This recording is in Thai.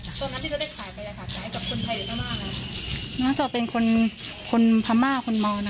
ตอนนั้นที่ระเบิดได้ขายไปอยากรับไหว้ให้กับคนทักษรภายไปหรือแม่มาไง